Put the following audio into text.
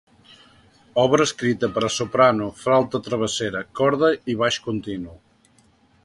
Obra escrita per a soprano, flauta travessera, corda i baix continu.